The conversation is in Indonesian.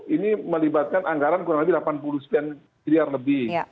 ini melibatkan anggaran kurang lebih delapan puluh sekian miliar lebih